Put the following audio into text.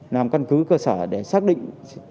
làm căn cứ cơ sở để xác định